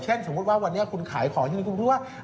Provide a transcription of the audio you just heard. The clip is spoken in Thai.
แต่เฉพาะว่าวันนี้คุณขายของเช่นว่า